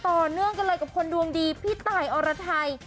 ต่อเนื่องกันเลยกับคนดวงดีพี่ตายอรไทย